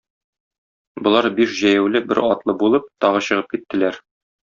Болар биш җәяүле, бер атлы булып тагы чыгып киттеләр.